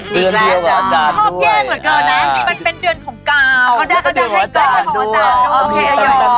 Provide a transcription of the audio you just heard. เดือนเดียวอาจารย์ด้วย